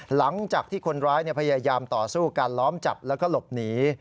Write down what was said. หลังจากที่คนร้ายพยายามต่อสู้การล้อมจับแล้วก็หลบหนี